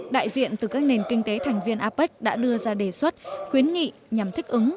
đại diện từ các nền kinh tế thành viên apec đã đưa ra đề xuất khuyến nghị nhằm thích ứng